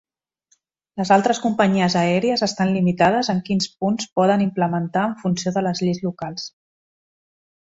Les altres companyies aèries estan limitades en quins punts poden implementar en funció de les lleis locals.